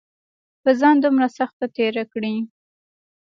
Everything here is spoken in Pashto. پۀ ځان دومره سخته تېره کړې